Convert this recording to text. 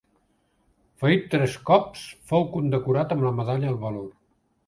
Ferit tres cops, fou condecorat amb la medalla al valor.